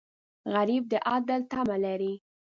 غریب د عدل تمه لري